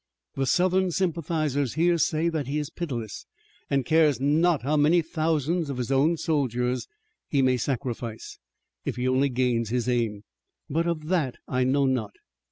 The Southern sympathizers here say that he is pitiless and cares not how many thousands of his own soldiers he may sacrifice, if he only gains his aim. But of that I know not.